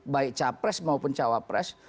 baik capres maupun cawapres